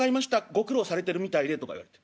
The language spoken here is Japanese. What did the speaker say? ご苦労されてるみたいで」とか言われて。